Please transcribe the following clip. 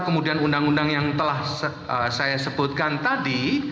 kemudian undang undang yang telah saya sebutkan tadi